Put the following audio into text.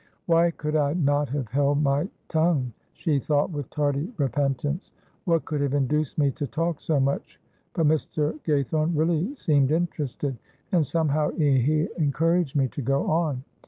"Why could I not have held my tongue," she thought, with tardy repentance. "What could have induced me to talk so much, but Mr. Gaythorne really seemed interested, and somehow he encouraged me to go on.